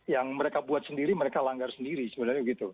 yang mereka buat sendiri mereka langgar sendiri sebenarnya begitu